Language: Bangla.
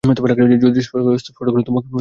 জুডি অস্পষ্ট স্বরে বলল, তোমাকে দেখে।